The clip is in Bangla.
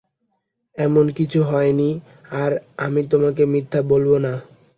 এমন কিছু হয়নি আর আমি তোমাকে মিথ্যা বলবো না।